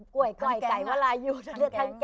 ก้วยก้อยกใกล้เวลาอยู่